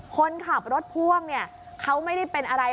คนขับรถพ่วงเนี่ยเขาไม่ได้เป็นอะไร